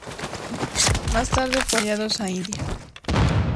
Más tarde fueron exiliados a India.